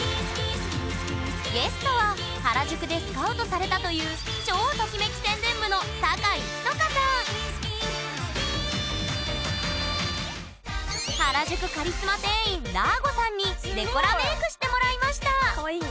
ゲストは原宿でスカウトされたという原宿カリスマ店員だーごさんにデコラメークしてもらいましたかわいい？